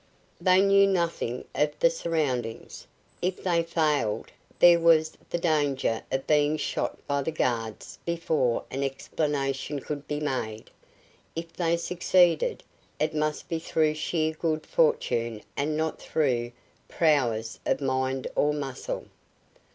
They knew nothing of the surroundings. If they failed, there was the danger of being shot by the guards before an explanation could be made. If they succeeded, it must be through sheer good fortune and not through prowess of mind or muscle.